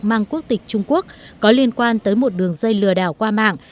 mang quốc tịch trung quốc có liên quan tới một đường dây lừa đảo qua mạng